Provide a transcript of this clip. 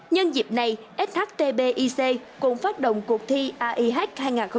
nhân dịp này shtbic cũng phát động cuộc thi aih hai nghìn hai mươi